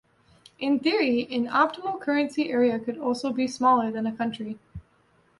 In theory, an optimal currency area could also be smaller than a country.